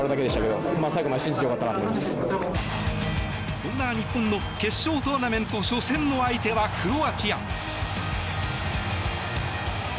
そんな日本の決勝トーナメント初戦の相手はクロアチア。